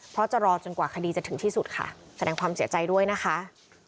เพราะจะรอจนกว่าคดีจะถึงที่สุดค่ะแสดงความเสียใจด้วยนะคะ